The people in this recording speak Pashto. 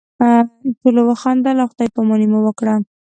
ټولو وخندل او خدای پاماني مو وکړه.